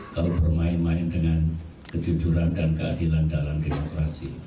kalau bermain main dengan kejujuran dan keadilan dalam demokrasi